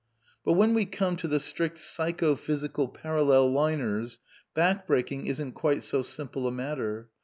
But when we come to the strict Psycho physical Paral lel liners, back breaking isn't quite so simple a matter.